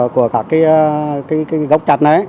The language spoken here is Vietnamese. của các gốc chặt này